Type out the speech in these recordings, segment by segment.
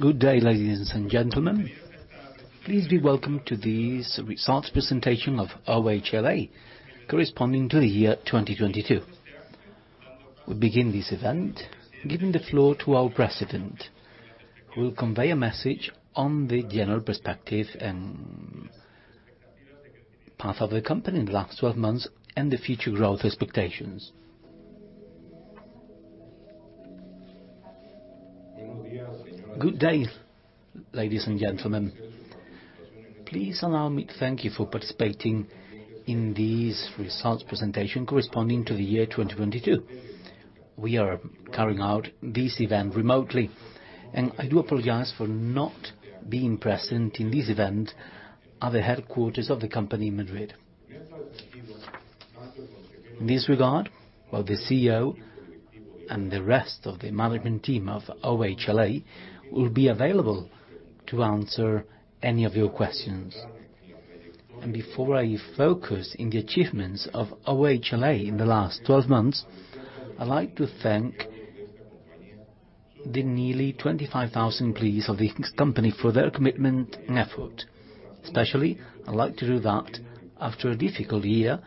Good day, ladies and gentlemen. Please be welcome to these results presentation of OHLA corresponding to the year 2022. We begin this event giving the floor to our president, who will convey a message on the general perspective and path of the company in the last 12 months and the future growth expectations. Good day, ladies and gentlemen. Please allow me to thank you for participating in this results presentation corresponding to the year 2022. We are carrying out this event remotely. I do apologize for not being present in this event at the headquarters of the company in Madrid. In this regard, while the Chief Executive Officer and the rest of the management team of OHLA will be available to answer any of your questions. Before I focus in the achievements of OHLA in the last 12 months, I'd like to thank the nearly 25,000 employees of the company for their commitment and effort. Especially, I'd like to do that after a difficult year,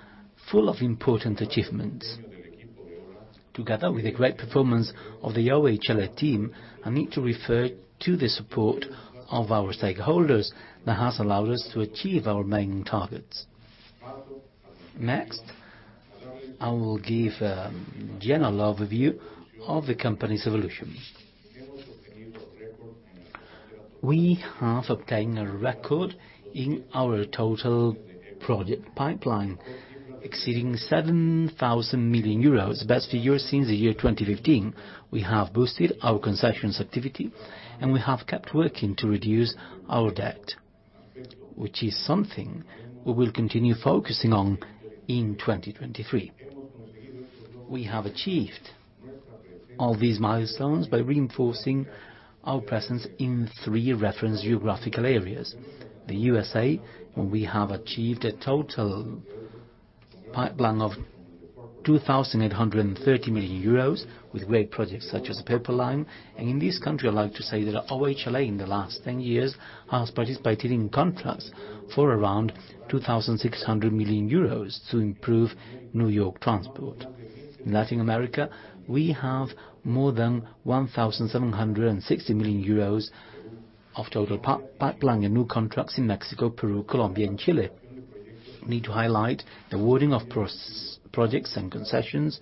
full of important achievements. Together with the great performance of the OHLA team, I need to refer to the support of our stakeholders that has allowed us to achieve our main targets. I will give a general overview of the company's evolution. We have obtained a record in our total project pipeline exceeding 7 billion euros, the best figure since the year 2015. We have boosted our concessions activity, and we have kept working to reduce our debt, which is something we will continue focusing on in 2023. We have achieved all these milestones by reinforcing our presence in three reference geographical areas. The U.S.A., where we have achieved a total pipeline of 2,830 million euros with great projects such as the Purple Line. In this country, I'd like to say that OHLA in the last 10 years has participated in contracts for around 2,600 million euros to improve New York transport. In Latin America, we have more than 1,760 million euros of total pipeline and new contracts in Mexico, Peru, Colombia, and Chile. We need to highlight the awarding of projects and concessions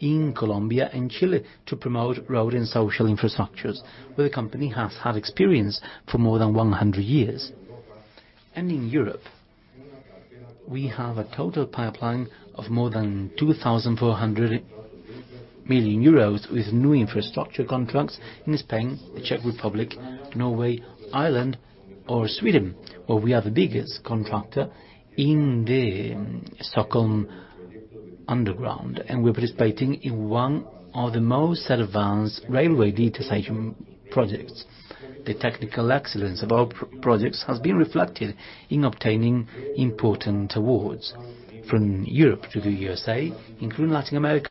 in Colombia and Chile to promote road and social infrastructures, where the company has had experience for more than 100 years. In Europe, we have a total pipeline of more than 2,400 million euros with new infrastructure contracts in Spain, the Czech Republic, Norway, Ireland, or Sweden, where we are the biggest contractor in the Stockholm underground, and we're participating in one of the most advanced railway digitization projects. The technical excellence of our projects has been reflected in obtaining important awards from Europe to the U.S.A., including Latin America.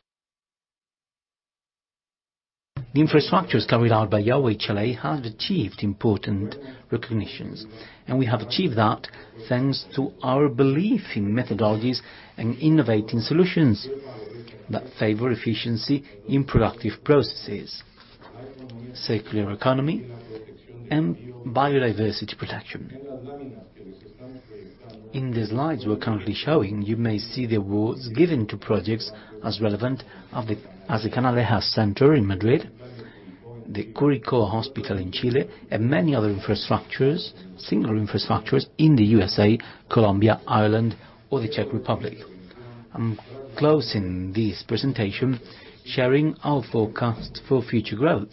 The infrastructures carried out by OHLA have achieved important recognitions, and we have achieved that thanks to our belief in methodologies and innovating solutions that favor efficiency in productive processes, circular economy, and biodiversity protection. In the slides we're currently showing, you may see the awards given to projects as relevant of the as the Canalejas Center in Madrid, the Curicó Hospital in Chile, and many other infrastructures, single infrastructures in the U.S.A., Colombia, Ireland, or the Czech Republic. I'm closing this presentation sharing our forecast for future growth.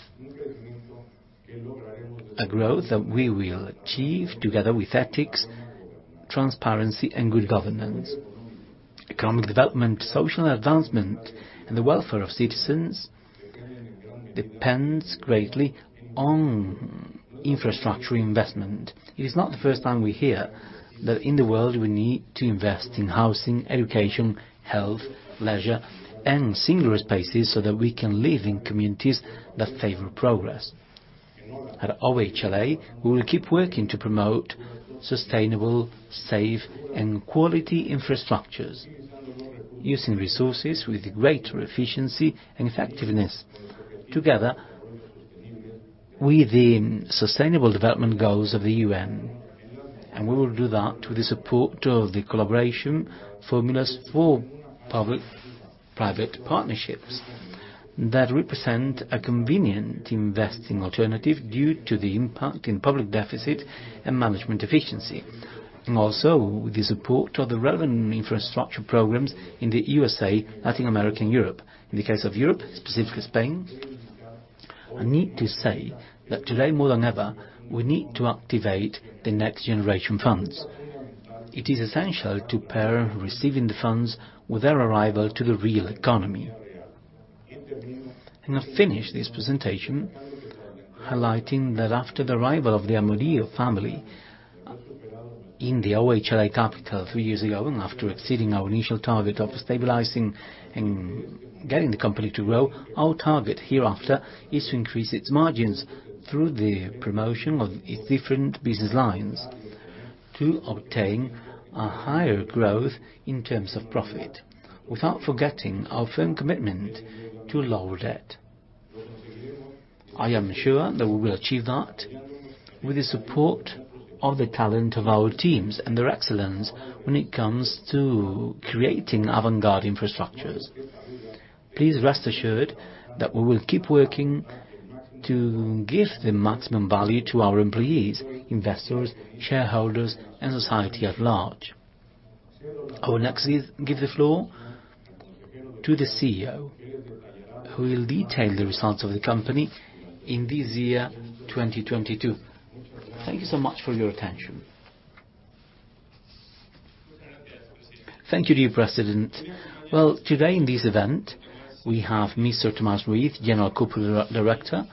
A growth that we will achieve together with ethics, transparency, and good governance. Economic development, social advancement, and the welfare of citizens depends greatly on infrastructure investment. It is not the first time we hear that in the world we need to invest in housing, education, health, leisure, and singular spaces so that we can live in communities that favor progress. At OHLA, we will keep working to promote sustainable, safe, and quality infrastructures using resources with greater efficiency and effectiveness together with the sustainable development goals of the UN. We will do that with the support of the collaboration formulas for public-private partnerships that represent a convenient investing alternative due to the impact in public deficit and management efficiency, and also with the support of the relevant infrastructure programs in the U.S.A., Latin America, and Europe. In the case of Europe, specifically Spain, I need to say that today more than ever, we need to activate the NextGeneration funds. It is essential to pair receiving the funds with their arrival to the real economy. I finish this presentation highlighting that after the arrival of the Amodio family in the OHLA capital 3 years ago, and after exceeding our initial target of stabilizing and getting the company to grow, our target hereafter is to increase its margins through the promotion of its different business lines to obtain a higher growth in terms of profit, without forgetting our firm commitment to lower debt. I am sure that we will achieve that with the support of the talent of our teams and their excellence when it comes to creating avant-garde infrastructures. Please rest assured that we will keep working to give the maximum value to our employees, investors, shareholders, and society at large. I will next give the floor to the Chief Executive Officer, who will detail the results of the company in this year, 2022. Thank you so much for your attention. Thank you, dear President. Well, today in this event, we have Mr. Tomás Ruiz, General Corporate Director,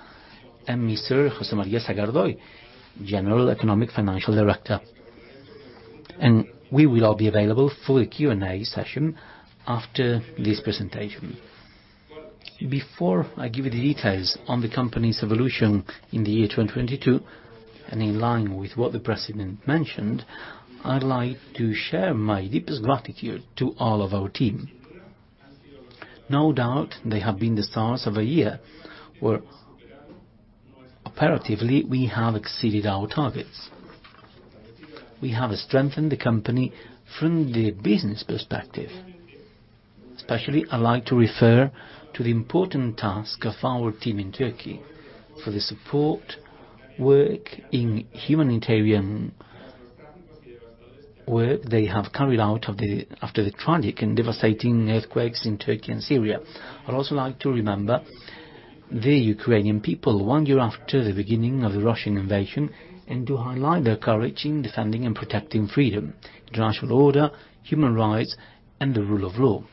and Mr. José María Sagardoy, General Economic Financial Director. We will all be available for the Q&A session after this presentation. Before I give you the details on the company's evolution in the year 2022, and in line with what the president mentioned, I'd like to share my deepest gratitude to all of our team. No doubt, they have been the stars of a year, where operatively we have exceeded our targets. We have strengthened the company from the business perspective. Especially, I'd like to refer to the important task of our team in Turkey for the support work in humanitarian work they have carried out after the tragic and devastating earthquakes in Turkey and Syria. I'd also like to remember the Ukrainian people, one year after the beginning of the Russian invasion, and to highlight their courage in defending and protecting freedom, international order, human rights, and the rule of law.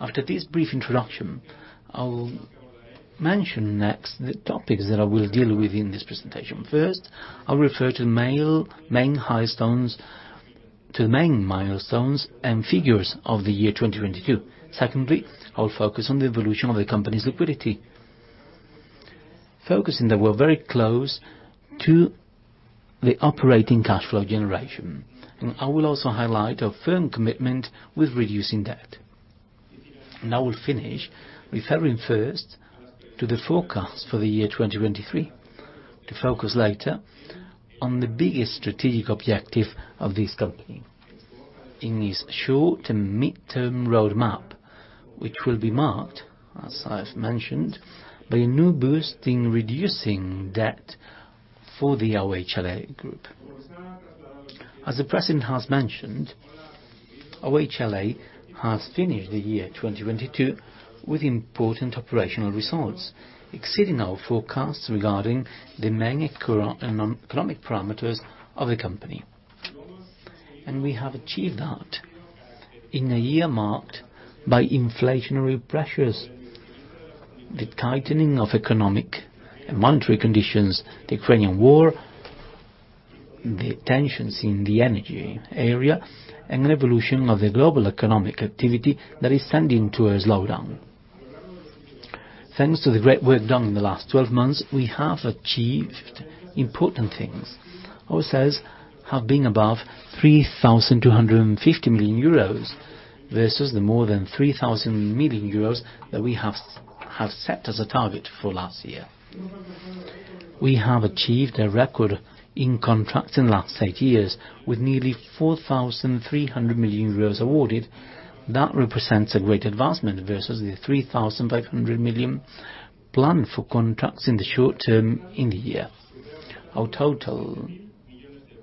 After this brief introduction, I'll mention next the topics that I will deal with in this presentation. First, I'll refer to the main milestones and figures of the year 2022. Secondly, I'll focus on the evolution of the company's liquidity, focusing that we're very close to the operating cash flow generation. I will also highlight our firm commitment with reducing debt. I will finish referring first to the forecast for the year 2023, to focus later on the biggest strategic objective of this company in its short- and midterm roadmap, which will be marked, as I've mentioned, by a new boost in reducing debt for the OHLA Group. As the president has mentioned, OHLA has finished the year 2022 with important operational results, exceeding our forecasts regarding the main economic parameters of the company. We have achieved that in a year marked by inflationary pressures, the tightening of economic and monetary conditions, the Ukrainian war, the tensions in the energy area, and an evolution of the global economic activity that is tending towards slowdown. Thanks to the great work done in the last 12 months, we have achieved important things. Our sales have been above 3,250 million euros, versus the more than 3,000 million euros that we have set as a target for last year. We have achieved a record in contracts in the last eight years with nearly 4,300 million euros awarded. That represents a great advancement versus the 3,500 million planned for contracts in the short term in the year. Our total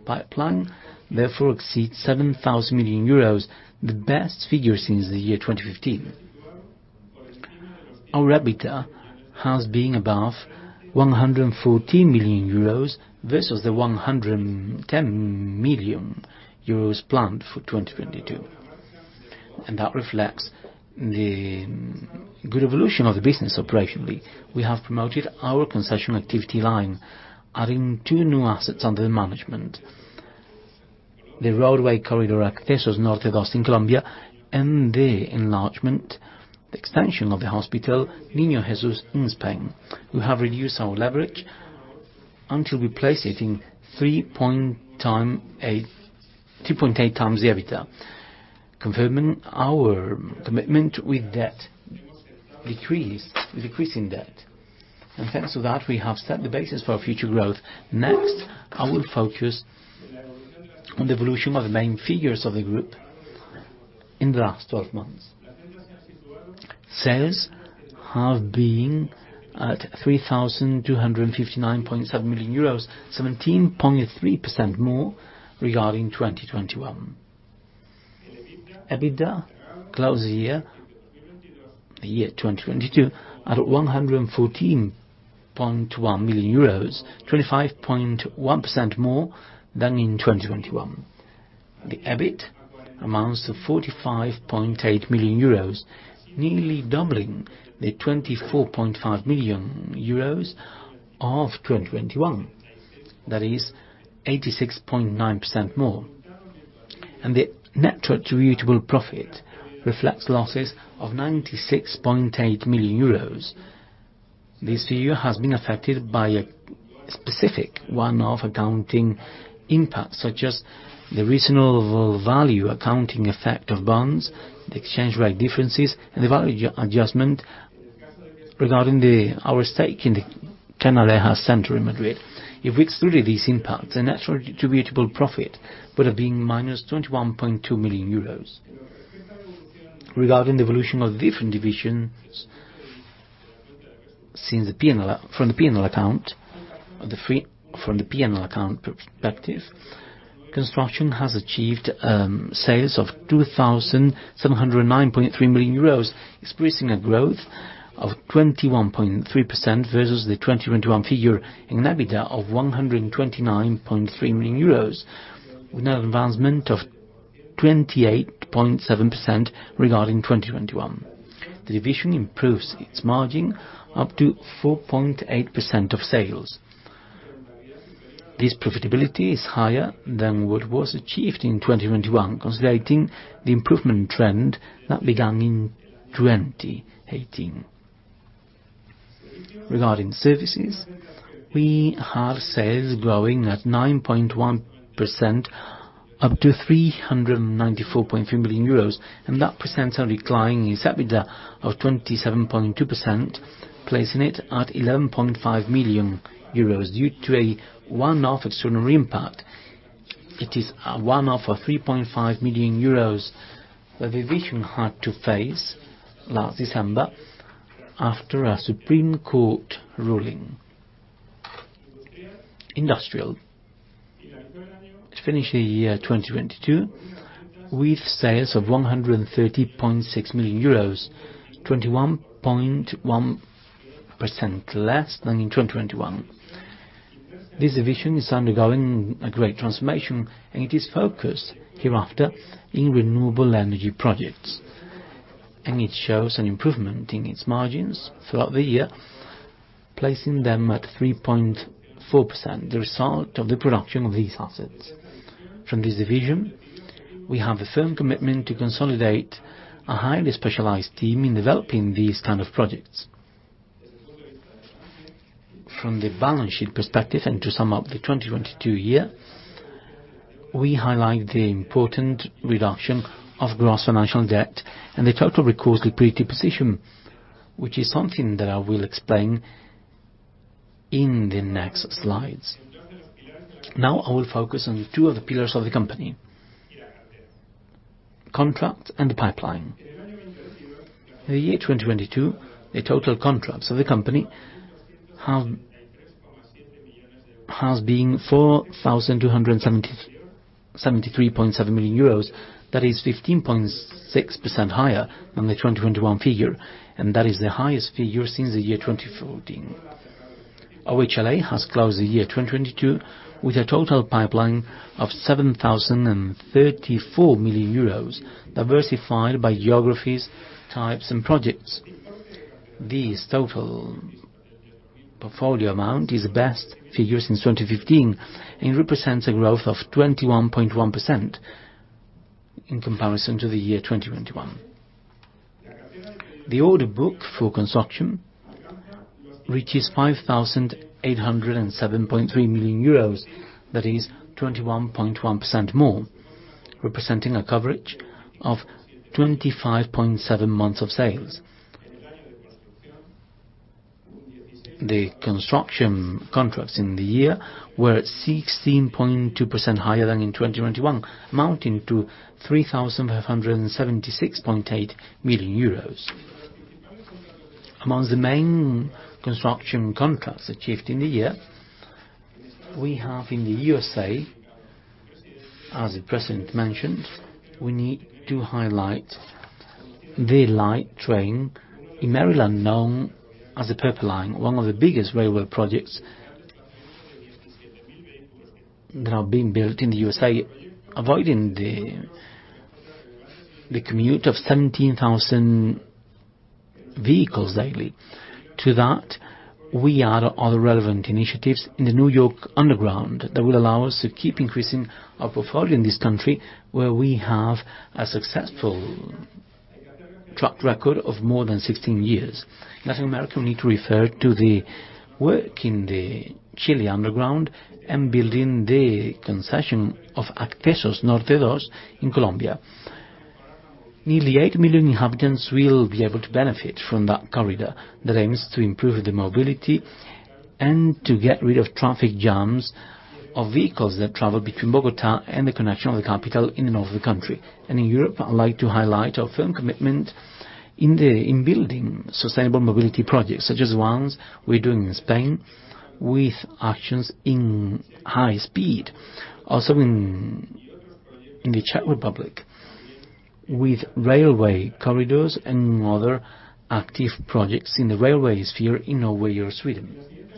pipeline, therefore, exceeds 7,000 million euros, the best figure since 2015. Our EBITDA has been above 114 million euros versus the 110 million euros planned for 2022. That reflects the good evolution of the business operationally. We have promoted our concession activity line, adding two new assets under the management: the roadway corridor Accesos Norte 2 in Colombia and the enlargement, the extension of the hospital Niño Jesús in Spain. We have reduced our leverage until we place it in 2.8x the EBITDA, confirming our commitment with decreasing debt. Thanks to that, we have set the basis for future growth. Next, I will focus on the evolution of the main figures of the group in the last 12 months. Sales have been at EUR 3,259.7 million, 17.3% more regarding 2021. EBITDA closed the year 2022 at 114.1 million euros, 25.1% more than in 2021. The EBIT amounts to 45.8 million euros, nearly doubling the 24.5 million euros of 2021. That is 86.9% more. The net attributable profit reflects losses of 96.8 million euros. This figure has been affected by a specific one-off accounting impact, such as the reasonable value accounting effect of bonds, the exchange rate differences, and the value ad-adjustment regarding our stake in the Centro Canalejas in Madrid. If we excluded these impacts, the net attributable profit would have been minus 21.2 million euros. Regarding the evolution of different divisions, since the P&L from the P&L account perspective, construction has achieved sales of 2,709.3 million euros, experiencing a growth of 21.3% versus the 2021 figure in EBITDA of 129.3 million euros, with an advancement of 28.7% regarding 2021. The division improves its margin up to 4.8% of sales. This profitability is higher than what was achieved in 2021, consolidating the improvement trend that began in 2018. Regarding services, we have sales growing at 9.1% up to 394.3 million euros. That presents a decline in EBITDA of 27.2%, placing it at 11.5 million euros due to a one-off extraordinary impact. It is a one-off of 3.5 million euros the division had to face last December after a Supreme Court ruling. Industrial. It finished the year 2022 with sales of 130.6 million euros, 21.1% less than in 2021. This division is undergoing a great transformation. It is focused hereafter in renewable energy projects. It shows an improvement in its margins throughout the year, placing them at 3.4%, the result of the production of these assets. From this division, we have a firm commitment to consolidate a highly specialized team in developing these kind of projects. From the balance sheet perspective and to sum up the 2022 year, we highlight the important reduction of gross financial debt and the total recourse liquidity position, which is something that I will explain in the next slides. Now I will focus on two of the pillars of the company: contract and the pipeline. In the year 2022, the total contracts of the company has been 4,273.7 million euros. That is 15.6% higher than the 2021 figure, and that is the highest figure since the year 2014. OHLA has closed the year 2022 with a total pipeline of 7,034 million euros, diversified by geographies, types, and projects. This total portfolio amount is the best figure since 2015 and represents a growth of 21.1% in comparison to the year 2021. The order book for construction reaches 5,807.3 million euros. That is 21.1% more, representing a coverage of 25.7 months of sales. The construction contracts in the year were 16.2% higher than in 2021, amounting to 3,576.8 million euros. Among the main construction contracts achieved in the year, we have in the U.S.A., as the president mentioned, we need to highlight the light train in Maryland known as the Purple Line, one of the biggest railway projects that are being built in the U.S.A., avoiding the commute of 17,000 vehicles daily. To that, we add other relevant initiatives in the New York underground that will allow us to keep increasing our portfolio in this country where we have a successful track record of more than 16 years. Latin America, we need to refer to the work in the Chile underground and building the concession of Accesos Norte 2 in Colombia. Nearly 8 million inhabitants will be able to benefit from that corridor that aims to improve the mobility and to get rid of traffic jams of vehicles that travel between Bogota and the connection of the capital in the north of the country. In Europe, I'd like to highlight our firm commitment in the in building sustainable mobility projects, such as ones we're doing in Spain with actions in high speed. Also in the Czech Republic, with railway corridors and other active projects in the railway sphere in Norway or Sweden.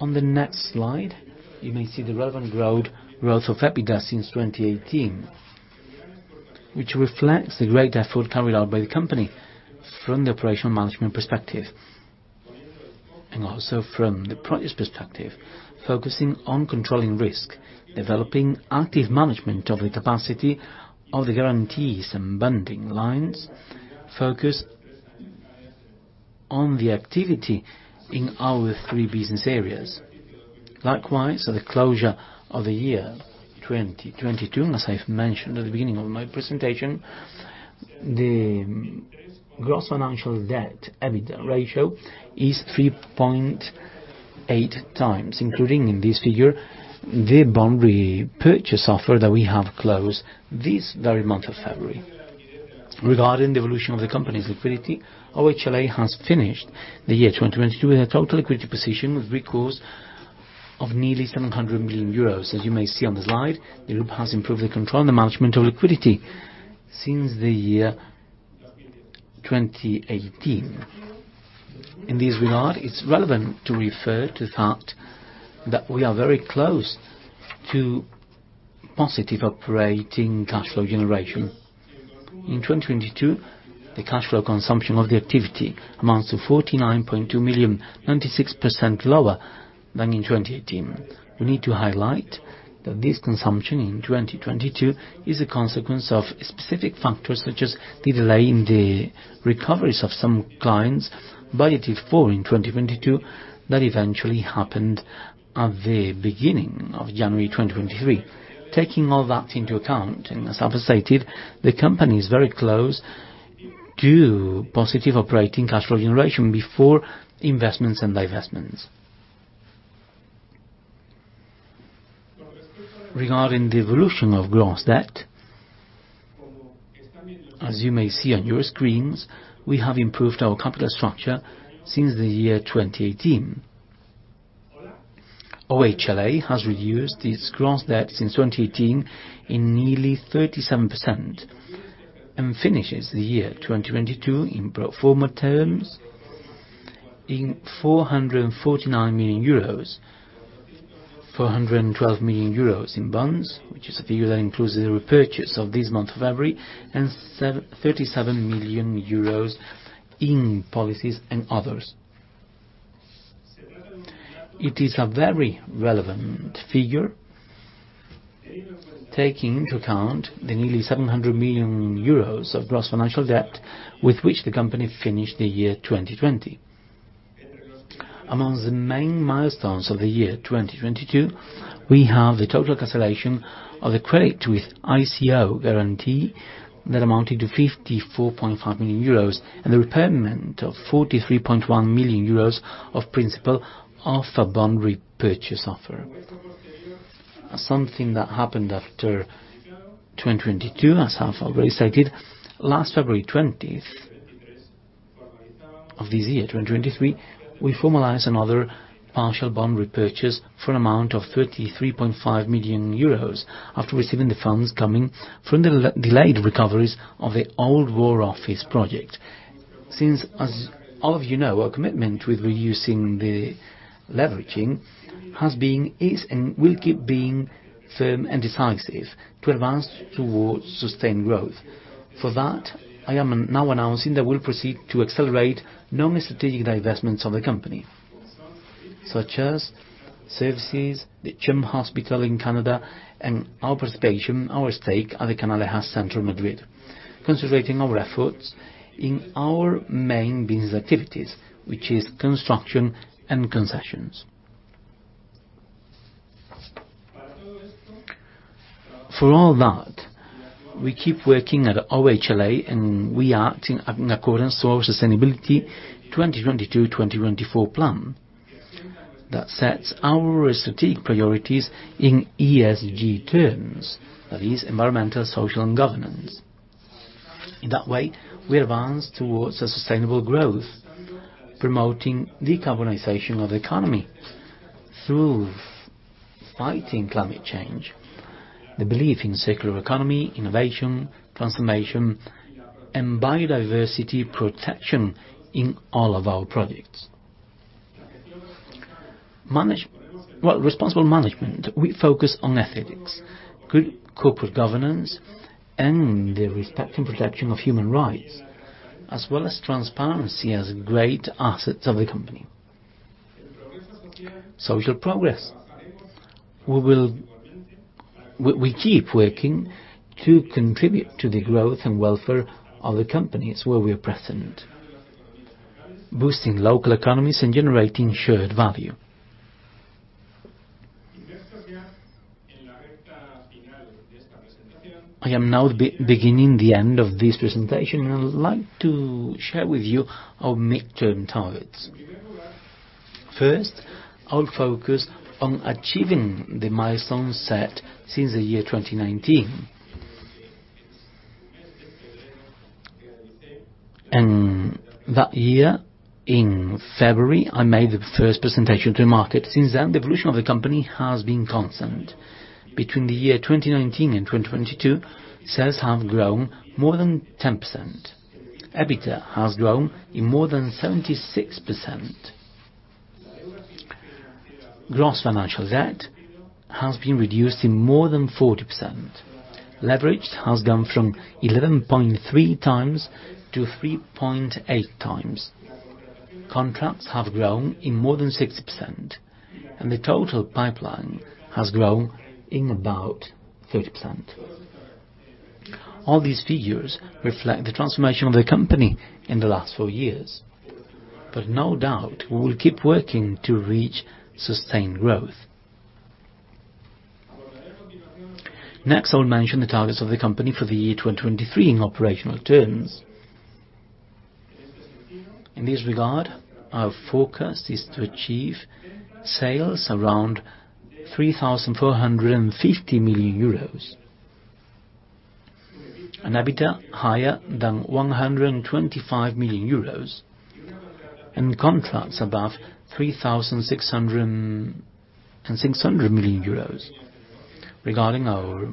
On the next slide, you may see the relevant growth of EBITDA since 2018, which reflects the great effort carried out by the company from the operational management perspective and also from the project perspective, focusing on controlling risk, developing active management of the capacity of the guarantees and bonding lines, focus on the activity in our three business areas. Likewise, at the closure of the year 2022, as I've mentioned at the beginning of my presentation, the gross financial debt EBITDA ratio is 3.8x, including in this figure, the bond repurchase offer that we have closed this very month of February. Regarding the evolution of the company's liquidity, OHLA has finished the year 2022 with a total liquidity position with recourse of nearly 700 million euros. As you may see on the slide, the group has improved the control and the management of liquidity since the year 2018. In this regard, it's relevant to refer to the fact that we are very close to positive operating cash flow generation. In 2022, the cash flow consumption of the activity amounts to 49.2 million, 96% lower than in 2018. We need to highlight that this consumption in 2022 is a consequence of specific factors, such as the delay in the recoveries of some clients budgeted for in 2022, that eventually happened at the beginning of January, 2023. Taking all that into account, as I've stated, the company is very close to positive operating cash flow generation before investments and divestments. Regarding the evolution of gross debt, as you may see on your screens, we have improved our capital structure since the year 2018. OHLA has reduced its gross debt since 2018 in nearly 37% and finishes the year 2022 in pro forma terms in 449 million euros. 412 million euros in bonds, which is a figure that includes the repurchase of this month of February, 37 million euros in policies and others. It is a very relevant figure, taking into account the nearly 700 million euros of gross financial debt with which the company finished the year 2020. Among the main milestones of the year 2022, we have the total cancellation of the credit with ICO guarantee that amounted to 54.5 million euros and the repayment of 43.1 million euros of principal of a bond repurchase offer. Something that happened after 2022, as I've already stated, last February 20th of this year, 2023, we formalized another partial bond repurchase for an amount of 33.5 million euros after receiving the funds coming from the de-delayed recoveries of the Old War Office project. Since, as all of you know, our commitment with reducing the leveraging has been, is, and will keep being firm and decisive to advance towards sustained growth. For that, I am now announcing that we'll proceed to accelerate non-strategic divestments of the company, such as services, the CHEO Hospital in Canada, and our participation, our stake at the Centro Canalejas, concentrating our efforts in our main business activities, which is construction and concessions. For all that, we keep working at OHLA, and we are acting in accordance to our Sustainability 2022-2024 Plan that sets our strategic priorities in ESG terms, that is environmental, social, and governance. In that way, we advance towards a sustainable growth, promoting decarbonization of the economy through fighting climate change, the belief in circular economy, innovation, transformation, and biodiversity protection in all of our projects. Well, responsible management. We focus on ethics, good corporate governance, and the respect and protection of human rights, as well as transparency as great assets of the company. Social progress. We keep working to contribute to the growth and welfare of the companies where we are present, boosting local economies and generating shared value. I am now beginning the end of this presentation, and I would like to share with you our midterm targets. First, I'll focus on achieving the milestones set since the year 2019. That year, in February, I made the first presentation to the market. Since then, the evolution of the company has been constant. Between the year 2019 and 2022, sales have grown more than 10%. EBITA has grown in more than 76%. Gross financial debt has been reduced in more than 40%. Leverage has gone from 11.3x to 3.8x. Contracts have grown in more than 60%. The total pipeline has grown in about 30%. All these figures reflect the transformation of the company in the last four years. No doubt, we will keep working to reach sustained growth. Next, I'll mention the targets of the company for the year 2023 in operational terms. In this regard, our forecast is to achieve sales around 3,450 million euros. An EBITDA higher than 125 million euros, and contracts above 4,200 million euros. Regarding our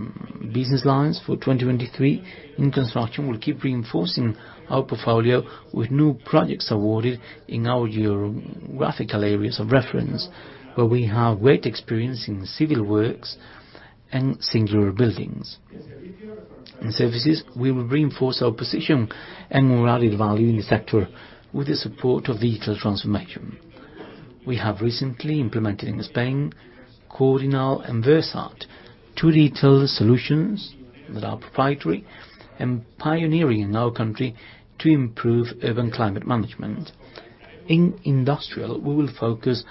business lines for 2023, in construction, we'll keep reinforcing our portfolio with new projects awarded in our geographical areas of reference, where we have great experience in civil works and singular buildings. In services, we will reinforce our position and added value in the sector with the support of digital transformation. We have recently implemented in Spain, Cordinal and Versat, two digital solutions that are proprietary and pioneering in our country to improve urban climate management. In industrial, we will focus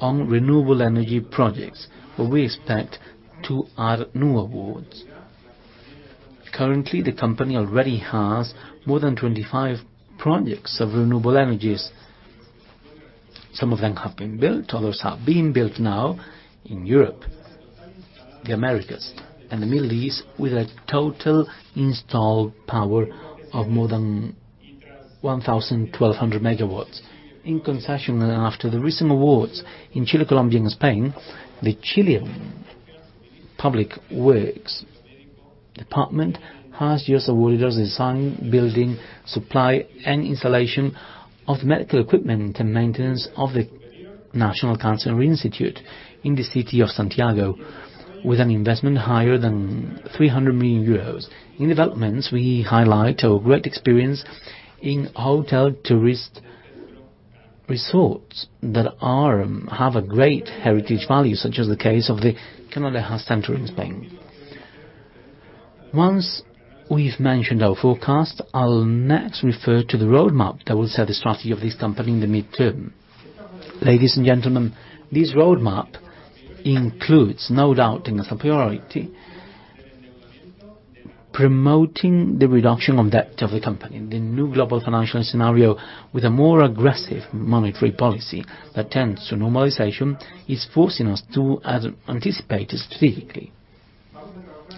on renewable energy projects, where we expect to add new awards. Currently, the company already has more than 25 projects of renewable energies. Some of them have been built, others are being built now in Europe, the Americas, and the Middle East, with a total installed power of more than 1,200 MW. In concession, after the recent awards in Chile, Colombia, and Spain, the Chilean Public Works Department has just awarded us design, building, supply, and installation of medical equipment and maintenance of the National Cancer Institute in the city of Santiago with an investment higher than 300 million euros. In developments, we highlight our great experience in hotel tourist resorts that have a great heritage value, such as the case of the Centro Canalejas in Spain. Once we've mentioned our forecast, I'll next refer to the roadmap that will set the strategy of this company in the midterm. Ladies and gentlemen, this roadmap includes, no doubt, and as a priority, promoting the reduction of debt of the company. The new global financial scenario with a more aggressive monetary policy that tends to normalization is forcing us to anticipate specifically.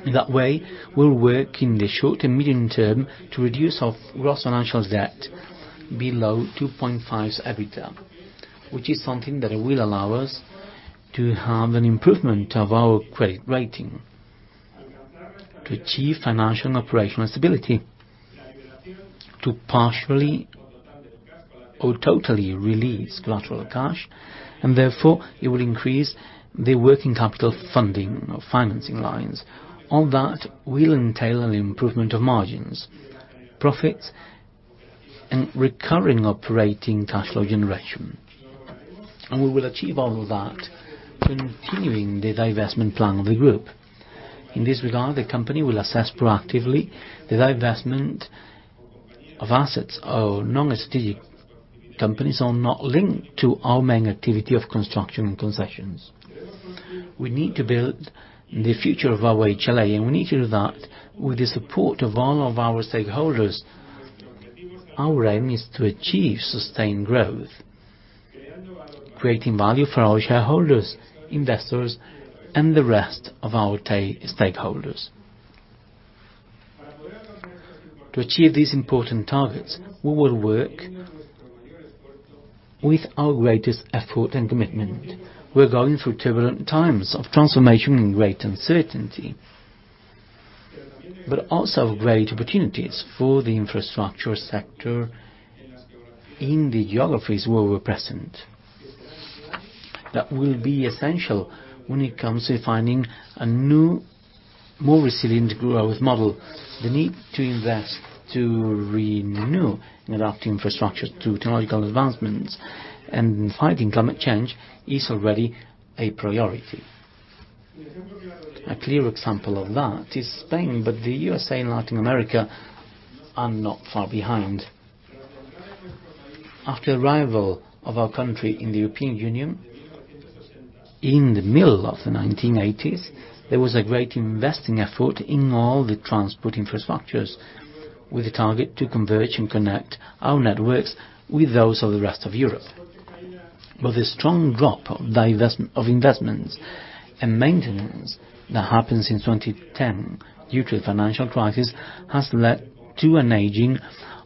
In that way, we'll work in the short and medium term to reduce our gross financial debt below 2.5x EBITDA, which is something that will allow us to have an improvement of our credit rating, to achieve financial and operational stability, to partially or totally release collateral cash, and therefore, it will increase the working capital funding of financing lines. All that will entail an improvement of margins, profits, and recurring operating cash flow generation. We will achieve all of that continuing the divestment plan of the group. In this regard, the company will assess proactively the divestment of assets or non-strategic companies or not linked to our main activity of construction and concessions. We need to build the future of our OHLA, and we need to do that with the support of all of our stakeholders. Our aim is to achieve sustained growth, creating value for our shareholders, investors, and the rest of our stakeholders. To achieve these important targets, we will work with our greatest effort and commitment. We're going through turbulent times of transformation and great uncertainty, but also great opportunities for the infrastructure sector in the geographies where we're present. That will be essential when it comes to finding a new, more resilient growth model. The need to invest, to renew and adapt infrastructure to technological advancements and fighting climate change is already a priority. A clear example of that is Spain, but the U.S.A. and Latin America are not far behind. After arrival of our country in the European Union in the middle of the 1980s, there was a great investing effort in all the transport infrastructures with a target to converge and connect our networks with those of the rest of Europe. The strong drop of investments and maintenance that happened since 2010 due to the financial crisis has led to an aging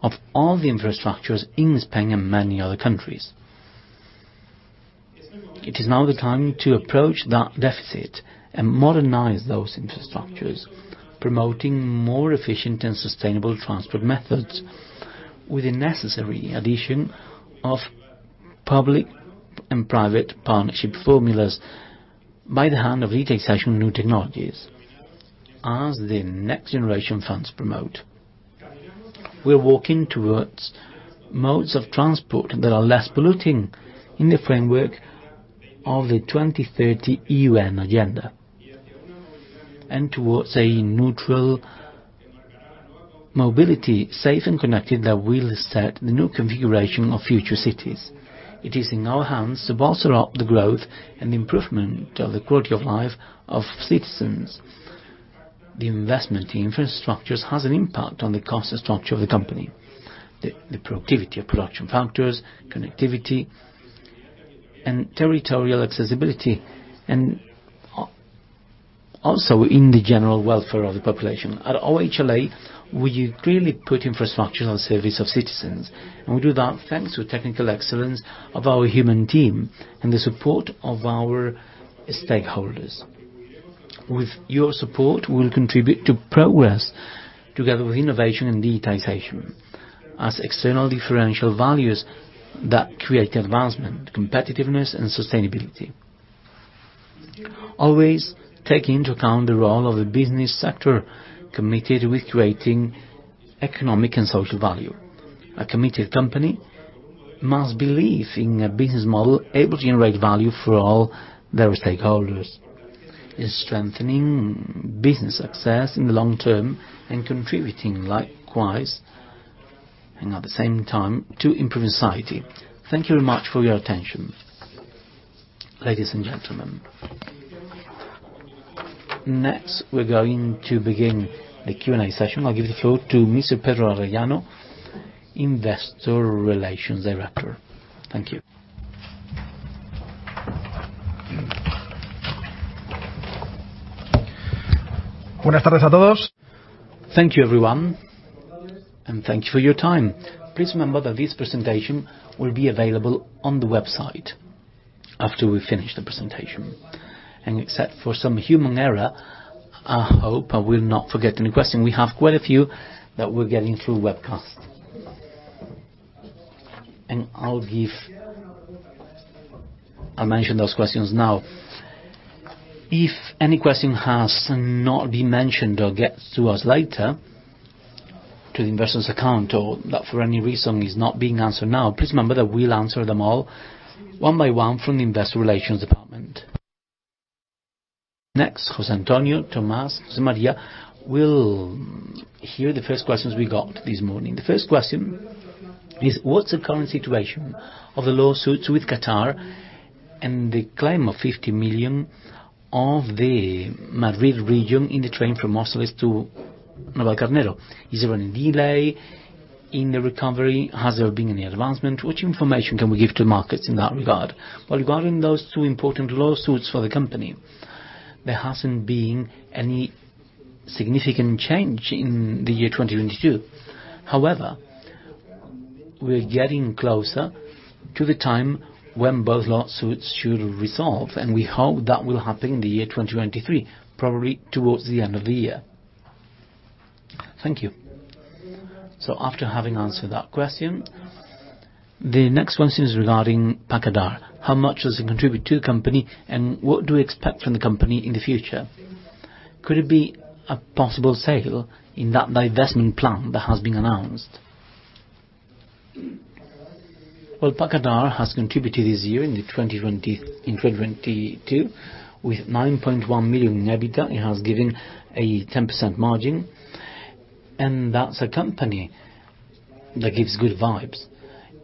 of all the infrastructures in Spain and many other countries. It is now the time to approach that deficit and modernize those infrastructures, promoting more efficient and sustainable transport methods with the necessary addition of public-private partnership formulas by the hand of digitization new technologies. As the next generation funds promote, we're walking towards modes of transport that are less polluting in the framework of the 2030 UN agenda, and towards a neutral mobility, safe and connected, that will set the new configuration of future cities. It is in our hands to bolster up the growth and improvement of the quality of life of citizens. The investment in infrastructures has an impact on the cost structure of the company. The productivity of production factors, connectivity, and territorial accessibility, and also in the general welfare of the population. At OHLA, we really put infrastructure and service of citizens, and we do that thanks to technical excellence of our human team and the support of our stakeholders. With your support, we will contribute to progress together with innovation and digitization as external differential values that create advancement, competitiveness and sustainability. Always take into account the role of the business sector committed with creating economic and social value. A committed company must believe in a business model able to generate value for all their stakeholders. It's strengthening business success in the long term and contributing likewise and at the same time to improving society. Thank you very much for your attention. Ladies and gentlemen, next, we're going to begin the Q&A session. I'll give the floor to Mr. Pedro Arellano, Investor Relations Director. Thank you. Thank you, everyone, and thank you for your time. Please remember that this presentation will be available on the website after we finish the presentation. Except for some human error, I hope I will not forget any question. We have quite a few that we're getting through webcast. I'll mention those questions now. If any question has not been mentioned or gets to us later, to the investors account or that for any reason is not being answered now, please remember that we'll answer them all one by one from the Investor Relations department. José Antonio, Tomás, María, we'll hear the first questions we got this morning. The first question is: What's the current situation of the lawsuits with Qatar and the claim of 50 million of the Madrid region in the train from Móstoles to Navalcarnero? Is there any delay in the recovery? Has there been any advancement? Which information can we give to markets in that regard? Well, regarding those two important lawsuits for the company, there hasn't been any significant change in the year 2022. However, we're getting closer to the time when both lawsuits should resolve, and we hope that will happen in the year 2023, probably towards the end of the year. Thank you. After having answered that question, the next one is regarding Pacadar. How much does it contribute to company, and what do we expect from the company in the future? Could it be a possible sale in that divestment plan that has been announced? Pacadar has contributed this year in 2022 with 9.1 million EBITDA. It has given a 10% margin, and that's a company that gives good vibes.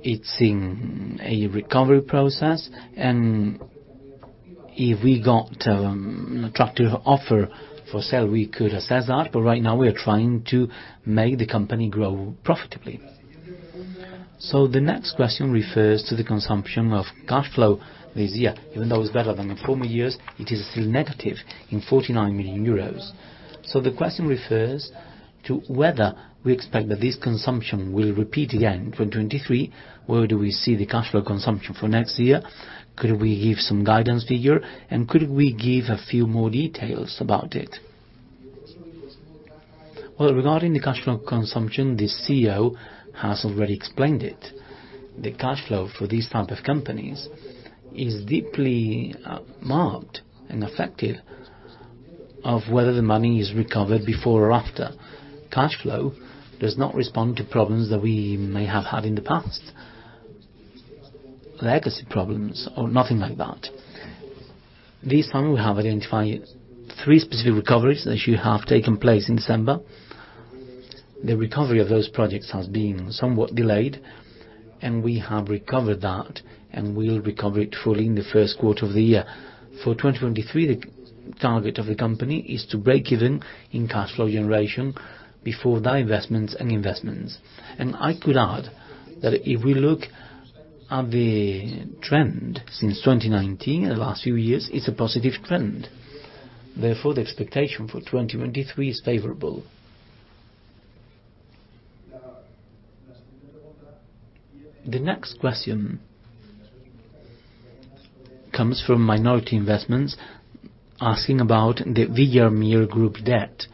It's in a recovery process, and if we got an attractive offer for sale, we could assess that. Right now we are trying to make the company grow profitably. The next question refers to the consumption of cash flow this year. Even though it's better than the former years, it is still negative in 49 million euros. The question refers to whether we expect that this consumption will repeat again in 2023. Where do we see the cash flow consumption for next year? Could we give some guidance figure, and could we give a few more details about it? Regarding the cash flow consumption, the Chief Executive Officer has already explained it. The cash flow for these type of companies is deeply marked and affected of whether the money is recovered before or after. Cash flow does not respond to problems that we may have had in the past, legacy problems or nothing like that. This time, we have identified three specific recoveries that should have taken place in December. The recovery of those projects has been somewhat delayed, and we have recovered that, and we'll recover it fully in the first quarter of the year. For 2023, the target of the company is to break even in cash flow generation before the investments. I could add that if we look at the trend since 2019, the last few years, it's a positive trend. Therefore, the expectation for 2023 is favorable. The next question comes from minority investments asking about the Grupo Villar Mir debt.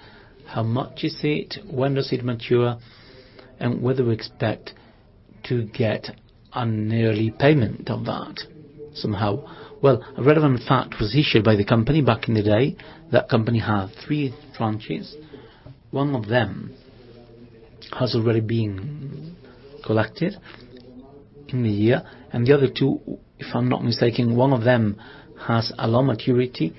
How much is it? When does it mature? Whether we expect to get an early payment of that somehow. Well, a relevant fact was issued by the company back in the day, that company had three branches. One of them has already been collected in the year, and the other two, if I'm not mistaken, one of them has a low maturity,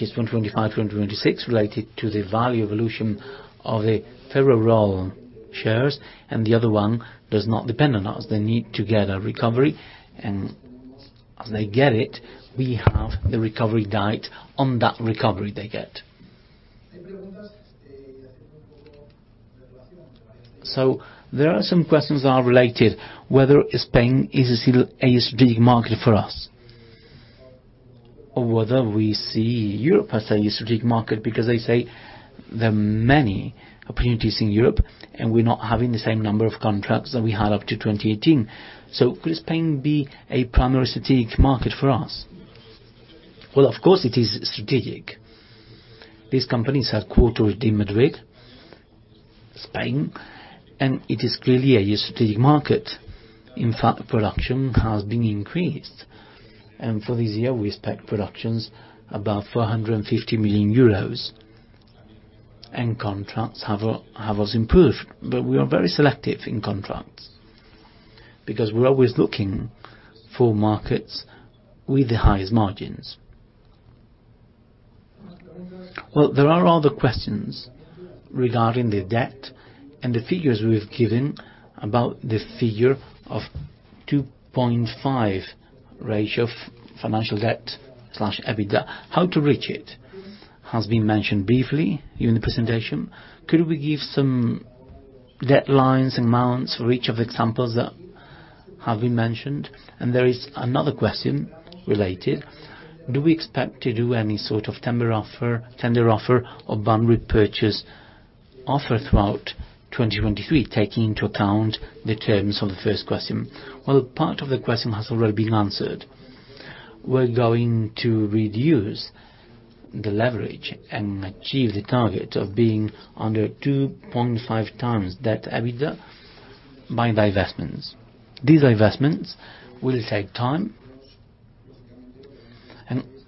which is 2025, 2026, related to the value evolution of the Ferrol shares, and the other one does not depend on us. They need to get a recovery, and as they get it, we have the recovery right on that recovery they get. There are some questions that are related, whether Spain is still a strategic market for us, or whether we see Europe as a strategic market, because they say there are many opportunities in Europe, and we're not having the same number of contracts that we had up to 2018. Could Spain be a primary strategic market for us? Well, of course, it is strategic. These companies have quartered in Madrid, Spain, and it is clearly a strategic market. In fact, production has been increased. For this year, we expect productions above 450 million euros. Contracts have also improved, but we are very selective in contracts because we're always looking for markets with the highest margins. Well, there are other questions regarding the debt and the figures we've given about the figure of 2.5 ratio of financial debt/EBITDA. How to reach it has been mentioned briefly during the presentation. Could we give some deadlines, amounts for each of the examples that have been mentioned? There is another question related. Do we expect to do any sort of tender offer or bond repurchase offer throughout 2023, taking into account the terms of the first question? Well, part of the question has already been answered. We're going to reduce the leverage and achieve the target of being under 2.5 times debt EBITDA by divestments. These divestments will take time.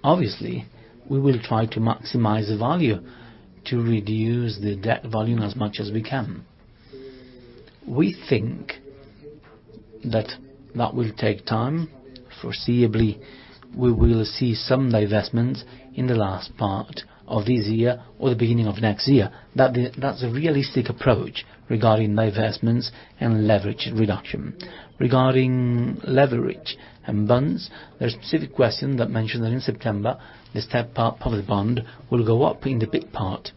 Obviously, we will try to maximize the value to reduce the debt volume as much as we can. We think that will take time. Foreseeably, we will see some divestments in the last part of this year or the beginning of next year. That's a realistic approach regarding divestments and leverage reduction. Regarding leverage and bonds, there's a specific question that mentioned that in September, the step up of the bond will go up in the big part.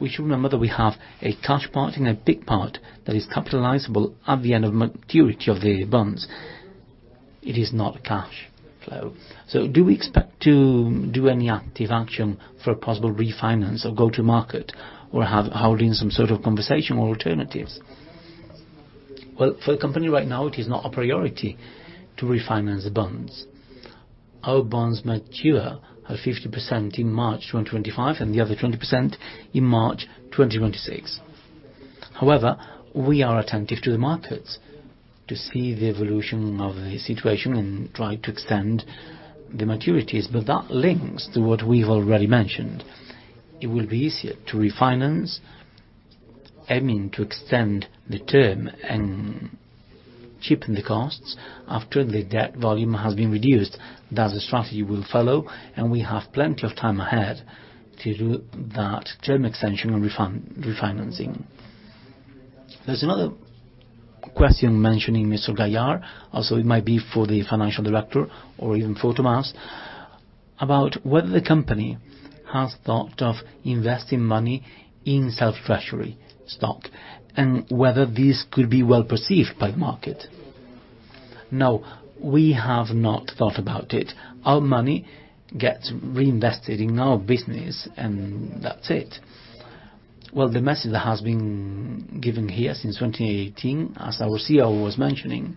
We should remember that we have a cash part and a big part that is capitalizable at the end of maturity of the bonds. It is not cash flow. Do we expect to do any active action for possible refinance or go to market or holding some sort of conversation or alternatives? For the company right now, it is not a priority to refinance the bonds. Our bonds mature at 50% in March 2025 and the other 20% in March 2026. We are attentive to the markets to see the evolution of the situation and try to extend the maturities. That links to what we've already mentioned. It will be easier to refinance, aiming to extend the term and cheapen the costs after the debt volume has been reduced. That's the strategy we'll follow, and we have plenty of time ahead to do that term extension and refinancing. There's another question mentioning Mr. Gaillard, also it might be for the financial director or even for Tomás, about whether the company has thought of investing money in self-treasury stock and whether this could be well perceived by the market. We have not thought about it. Our money gets reinvested in our business, and that's it. Well, the message that has been given here since 2018, as our CEO was mentioning,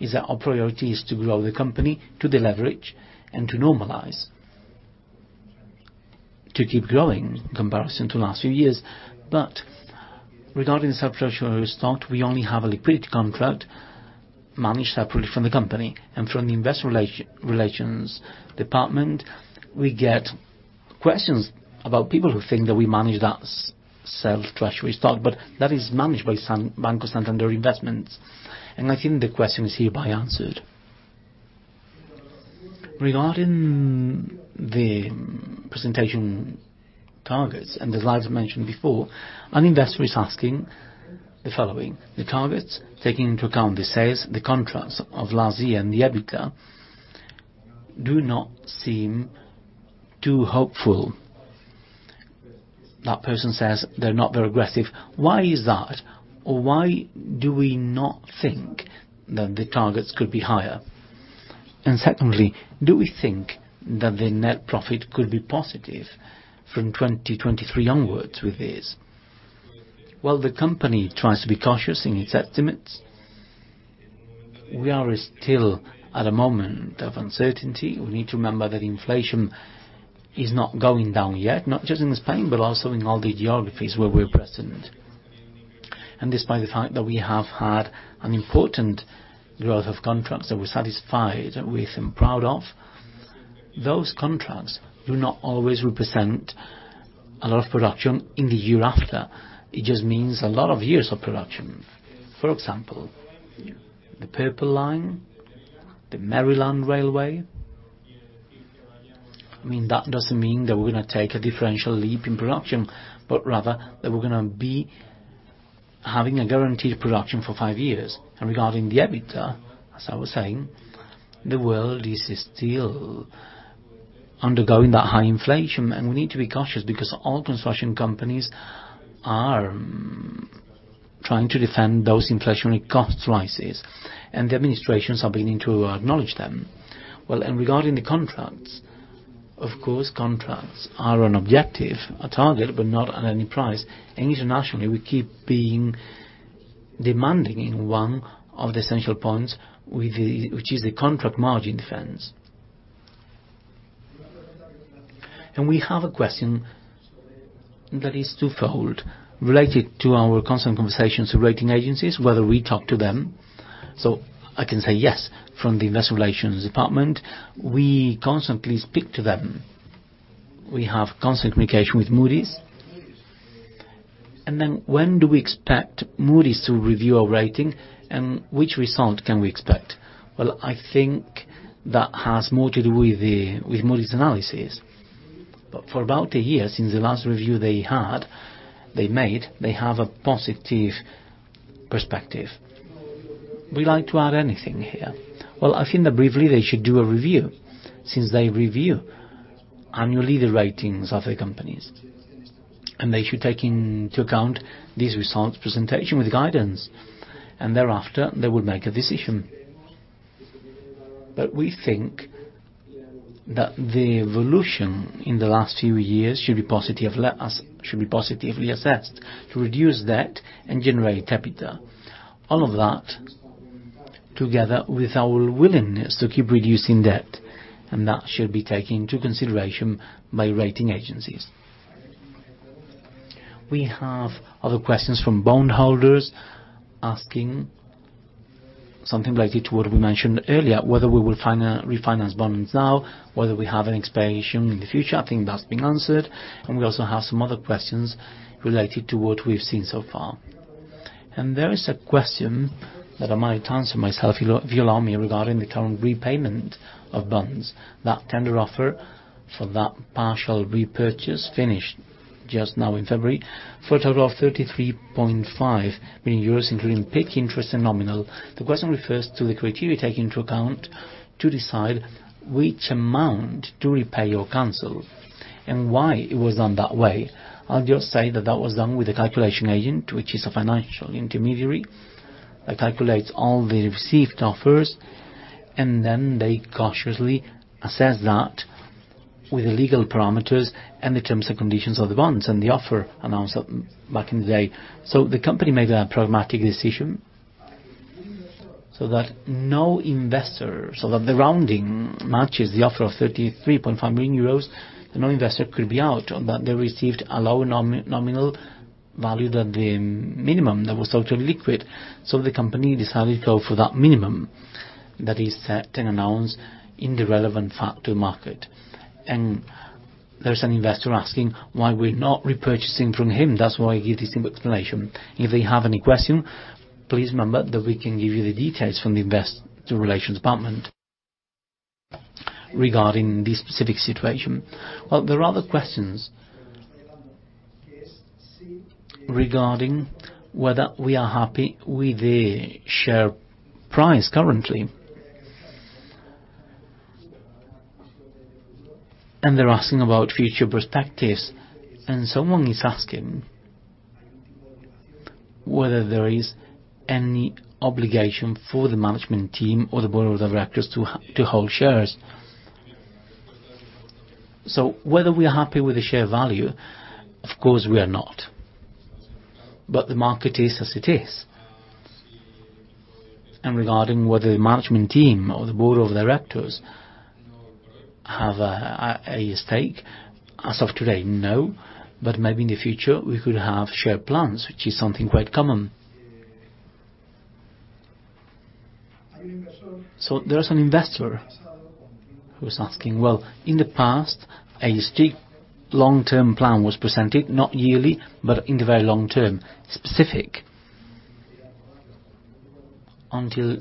is that our priority is to grow the company, to deleverage and to normalize, to keep growing in comparison to last few years. Regarding self-treasury stock, we only have a liquidity contract managed separately from the company. From the investor relations department, we get questions about people who think that we manage that self-treasury stock, but that is managed by Santander Corporate & Investment Banking. I think the question is hereby answered. Regarding the presentation targets, as I mentioned before, an investor is asking the following. The targets, taking into account the sales, the contracts of last year and the EBITDA, do not seem too hopeful. That person says they're not very aggressive. Why is that? Why do we not think that the targets could be higher? Secondly, do we think that the net profit could be positive from 2023 onwards with this? Well, the company tries to be cautious in its estimates. We are still at a moment of uncertainty. We need to remember that inflation is not going down yet, not just in Spain, but also in all the geographies where we're present. Despite the fact that we have had an important growth of contracts that we're satisfied with and proud of, those contracts do not always represent a lot of production in the year after. It just means a lot of years of production. For example, the Purple Line, the Maryland Railway. I mean, that doesn't mean that we're gonna take a differential leap in production, but rather that we're gonna be having a guaranteed production for 5 years. Regarding the EBITDA, as I was saying, the world is still undergoing that high inflation, and we need to be cautious because all construction companies are trying to defend those inflationary cost rises, and the administrations are beginning to acknowledge them. Well, regarding the contracts, of course, contracts are an objective, a target, but not at any price. Internationally, we keep being demanding in one of the essential points which is the contract margin defense. We have a question that is twofold, related to our constant conversations with rating agencies, whether we talk to them. I can say, yes, from the investor relations department, we constantly speak to them. We have constant communication with Moody's. When do we expect Moody's to review our rating, and which result can we expect? I think that has more to do with the, with Moody's analysis. For about 1 year since the last review they had, they made, they have a positive perspective. Would you like to add anything here? I think that briefly they should do a review, since they review annually the ratings of the companies, and they should take into account these results presentation with guidance, and thereafter, they would make a decision. We think that the evolution in the last few years should be positively assessed to reduce debt and generate EBITDA. All of that together with our willingness to keep reducing debt, that should be taken into consideration by rating agencies. We have other questions from bondholders asking something related to what we mentioned earlier, whether we will refinance bonds now, whether we have an expiration in the future. I think that's been answered. We also have some other questions related to what we've seen so far. There is a question that I might answer myself if you allow me, regarding the current repayment of bonds. That tender offer for that partial repurchase finished just now in February for a total of 33.5 million euros, including paid interest and nominal. The question refers to the criteria you take into account to decide which amount to repay or cancel, and why it was done that way. I'll just say that that was done with a calculation agent, which is a financial intermediary that calculates all the received offers, and then they cautiously assess that with the legal parameters and the terms and conditions of the bonds and the offer announced back in the day. The company made a pragmatic decision so that the rounding matches the offer of 33.5 million euros, and no investor could be out on that. They received a low nominal value that the minimum that was ultra-liquid. The company decided to go for that minimum that is set and announced in the relevant factor market. There's an investor asking why we're not repurchasing from him. That's why I give this simple explanation. If they have any question, please remember that we can give you the details from the investor relations department regarding this specific situation. There are other questions regarding whether we are happy with the share price currently. They're asking about future perspectives. Someone is asking whether there is any obligation for the management team or the board of directors to hold shares. Whether we are happy with the share value, of course we are not, but the market is as it is. Regarding whether the management team or the board of directors have a stake, as of today, no, but maybe in the future we could have share plans, which is something quite common. There's an investor who's asking, well, in the past, a strict long-term plan was presented, not yearly, but in the very long term, specific, until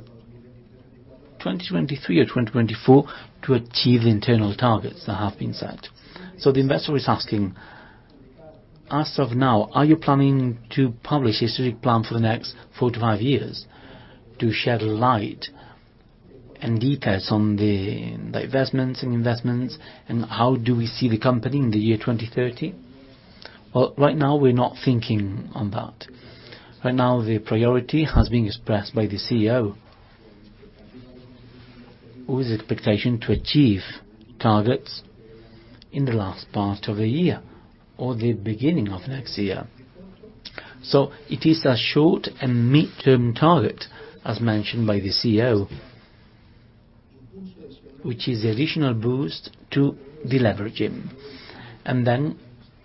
2023 or 2024 to achieve the internal targets that have been set. The investor is asking, as of now, are you planning to publish a strategic plan for the next 4 to 5 years to shed light and details on the investments and how do we see the company in the year 2030? Well, right now we're not thinking on that. Right now, the priority has been expressed by the Chief Executive Officer, with the expectation to achieve targets in the last part of the year or the beginning of next year. It is a short and midterm target, as mentioned by the Chief Executive Officer, which is the additional boost to deleveraging.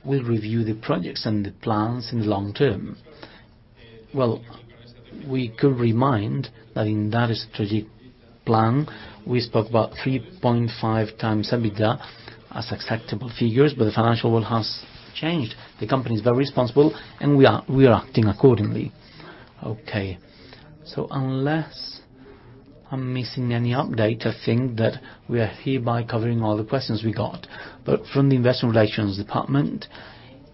We'll review the projects and the plans in the long term. Well, we could remind that in that strategic plan, we spoke about 3.5x EBITDA as acceptable figures. The financial world has changed. The company is very responsible, and we are acting accordingly. Okay. Unless I'm missing any update, I think that we are hereby covering all the questions we got. From the investor relations department,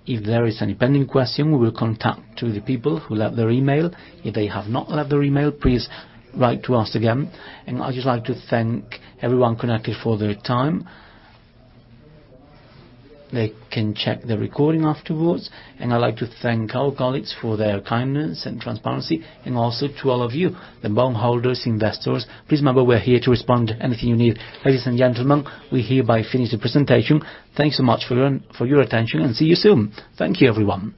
if there is any pending question, we will contact the people who left their email. If they have not left their email, please write to us again. I'd just like to thank everyone connected for their time. They can check the recording afterwards. I'd like to thank our colleagues for their kindness and transparency. Also to all of you, the bondholders, investors. Please remember, we're here to respond to anything you need. Ladies and gentlemen, we hereby finish the presentation. Thanks so much for your attention. See you soon. Thank you, everyone.